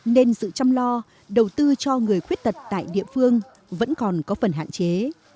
nên sự chăm lo đầu tư cho người khuyết tật tại địa phương vẫn còn có phần hạn chế